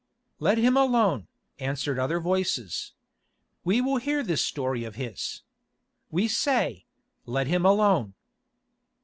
"Let him alone," answered other voices. "We will hear this story of his. We say—let him alone."